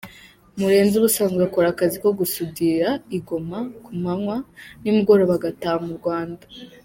Murenzi ubusanzwe akora akazi ko gusudira i Goma ku manywa, nimugoroba agataha mu Rwanda.